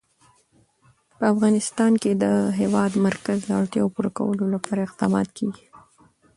په افغانستان کې د د هېواد مرکز د اړتیاوو پوره کولو لپاره اقدامات کېږي.